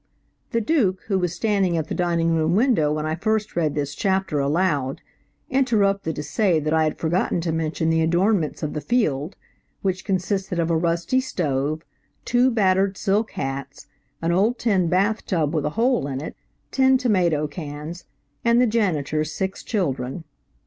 (The Duke, who was standing at the dining room window when I first read this chapter aloud, interrupted to say that I had forgotten to mention the adornments of the field, which consisted of a rusty stove, two battered silk hats, an old tin bath tub with a hole in it, ten tomato cans and the janitor's six children.)